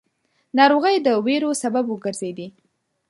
ناروغۍ د وېرو سبب وګرځېدې.